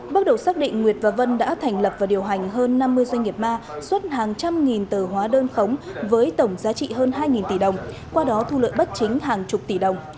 bước đầu xác định nguyệt và vân đã thành lập và điều hành hơn năm mươi doanh nghiệp ma xuất hàng trăm nghìn tờ hóa đơn khống với tổng giá trị hơn hai tỷ đồng qua đó thu lợi bất chính hàng chục tỷ đồng